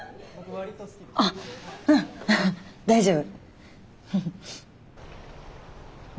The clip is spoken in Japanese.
あっうん大丈夫。